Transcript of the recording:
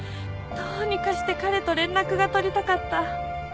どうにかして彼と連絡が取りたかった。